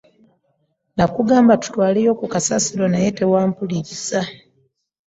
Nakugamba tutwaleyo kasasiro naye tewampuliriza.